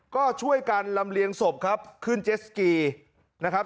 ก็ช่วยกันลำเลียงศพครับขึ้นเจสกีนะครับ